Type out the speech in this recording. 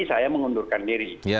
saya mengundurkan diri